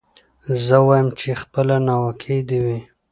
زه وايم چي خپله ناوکۍ دي وي